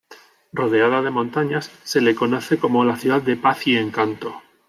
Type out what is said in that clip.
Rodeada de montañas, se le conoce como la ciudad de "Paz y Encanto".